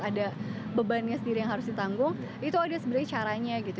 ada bebannya sendiri yang harus ditanggung itu ada sebenarnya caranya gitu